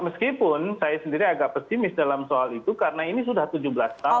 meskipun saya sendiri agak pesimis dalam soal itu karena ini sudah tujuh belas tahun